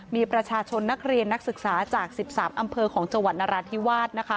มีประชาชนนักเรียนนักศึกษาจาก๑๓อำเภอของจังหวัดนราธิวาสนะคะ